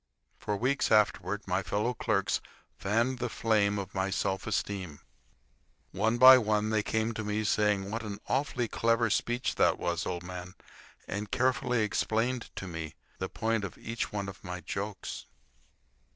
For weeks afterward my fellow clerks fanned the flame of my self esteem. One by one they came to me, saying what an awfully clever speech that was, old man, and carefully explained to me the point of each one of my jokes.